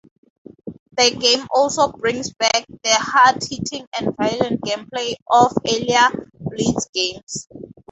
The game also brings back the hard-hitting and violent gameplay of earlier "Blitz" games.